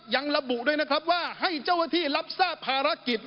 ยังระบุด้วยนะครับว่าให้เจ้าหน้าที่รับทราบภารกิจ